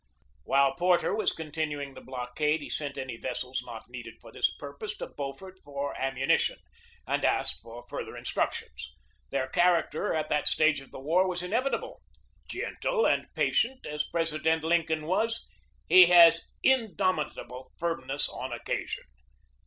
While Porter was continuing the blockade he sent any vessels not needed for this purpose to Beau fort for ammunition, and asked for further instruc tions. Their character at that stage of the war was inevitable. Gentle and patient as President Lincoln was, he had indomitable firmness on occasion.